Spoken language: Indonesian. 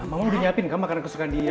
mama udah nyiapin kamu makanan kesukaan dia